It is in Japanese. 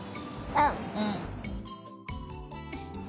うん。